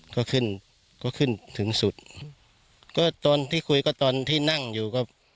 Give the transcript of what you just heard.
ก็ขึ้นก็ขึ้นถึงสุดก็ตอนที่คุยก็ตอนที่นั่งอยู่ก็